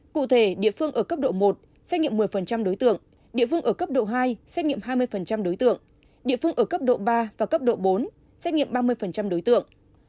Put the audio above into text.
cụ thể địa phương ở cấp độ một xét nghiệm một mươi đối tượng địa phương ở cấp độ hai xét nghiệm hai mươi đối tượng địa phương ở cấp độ ba và cấp độ bốn xét nghiệm ba mươi đối tượng